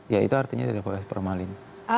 ya itu artinya tidak boleh formalin